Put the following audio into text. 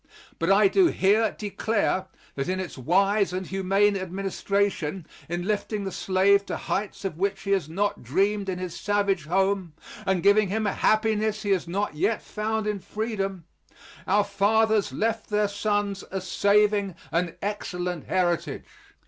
But I do here declare that in its wise and humane administration in lifting the slave to heights of which he had not dreamed in his savage home, and giving him a happiness he has not yet found in freedom, our fathers left their sons a saving and excellent heritage.